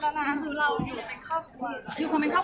ไม่ใช่นะคะยี่สักอย่าง